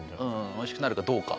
美味しくなるかどうか。